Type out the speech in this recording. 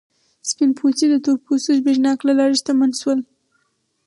سپین پوستي د تور پوستو زبېښاک له لارې شتمن شول.